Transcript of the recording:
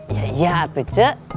iya itu cek